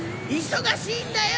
忙しいんだよ！